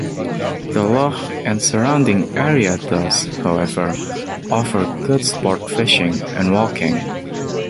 The loch and surrounding area does, however, offer good sport fishing and walking.